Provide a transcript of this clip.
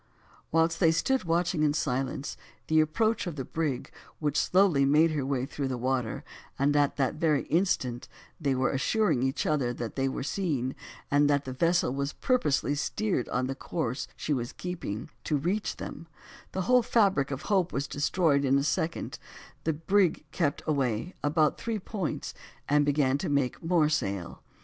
Whilst they stood watching in silence the approach of the brig, which slowly made her way through the water, and at the very instant that they were assuring each other that they were seen, and that the vessel was purposely steered on the course she was keeping, to reach them, the whole fabric of hope was destroyed in a second; the brig kept away about three points, and began to make more sail.